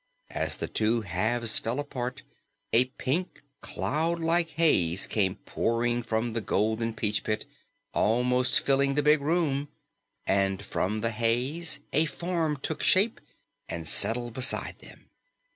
As the two halves fell apart, a pink, cloud like haze came pouring from the golden peach pit, almost filling the big room, and from the haze a form took shape and settled beside them.